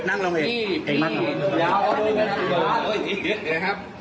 นั่งรองเอง